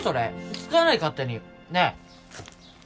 使わない勝手にねえっ